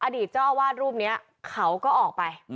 อดีตเจ้าอาวาสรูปนี้เขาก็ออกไป